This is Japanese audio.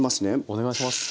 お願いします。